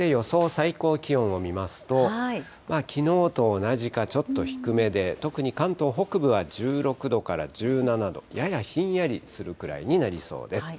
最高気温を見ますと、きのうと同じかちょっと低めで、特に関東北部は１６度から１７度、ややひんやりするくらいになりそうです。